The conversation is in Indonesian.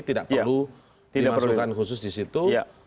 tidak perlu dimasukkan khusus di situ